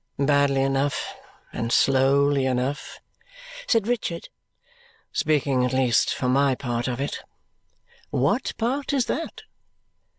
"Badly enough, and slowly enough," said Richard, "speaking at least for my part of it." "What part is that?"